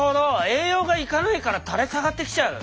栄養が行かないから垂れ下がってきちゃう。